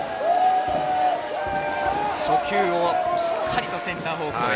初球をしっかりとセンター方向へ。